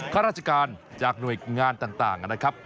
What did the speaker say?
ข้าราชการจากหน่วยงานต่างนะครับ